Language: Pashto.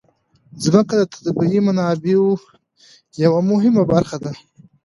ځمکه د طبیعي منابعو یوه مهمه برخه ده.